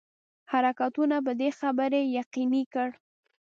حرکتونو په دې خبري یقیني کړ.